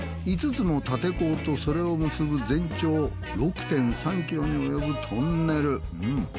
５つの立坑とそれを結ぶ全長６．３ｋｍにおよぶトンネル。